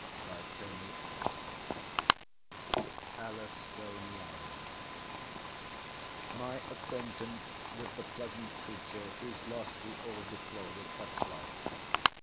PLAUDITO, ET VALETO ELLISTONIANA My acquaintance with the pleasant creature, whose loss we all deplore, was but slight.